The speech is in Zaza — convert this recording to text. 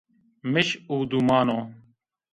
Mij û duman o